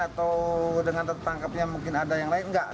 atau dengan tertangkapnya mungkin ada yang lain enggak